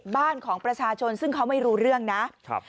บ้านของประชาชนซึ่งเขาไม่รู้เรื่องนะครับ